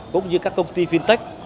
cũng như các công ty fintech